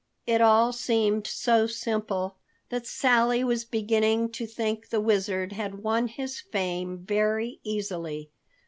It all seemed so simple that Sally was beginning to think the Wizard had won his fame very easily.